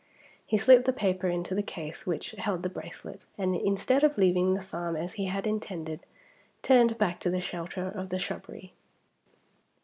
He slipped the paper into the case which held the bracelet, and instead of leaving the farm as he had intended, turned back to the shelter of the shrubbery.